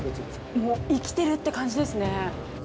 ◆生きてるって感じですね。